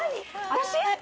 私？